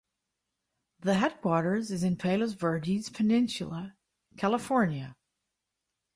The headquarters is in Palos Verdes Peninsula, California.